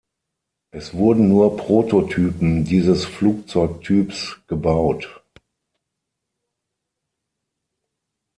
Es wurden nur Prototypen dieses Flugzeugtyps gebaut.